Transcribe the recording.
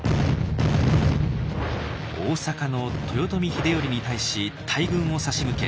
大坂の豊臣秀頼に対し大軍を差し向け